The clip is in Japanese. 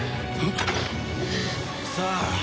さあ